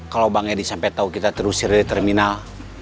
kalo bang edi sampai tau kita terusir di terminal